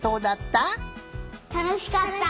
たのしかった！